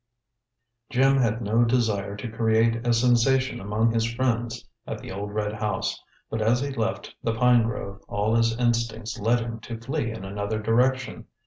Jim had no desire to create a sensation among his friends at the old red house; but as he left the pine grove all his instincts led him to flee in another direction.